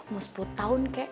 mau sepuluh tahun kek